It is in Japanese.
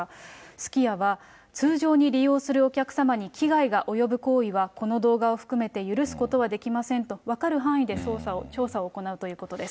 すき家は、通常に利用するお客様に危害が及ぶ行為は、この動画を含めて許すことはできませんと、分かる範囲で調査を行うということです。